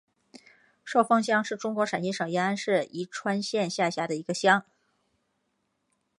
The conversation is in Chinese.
寿峰乡是中国陕西省延安市宜川县下辖的一个乡。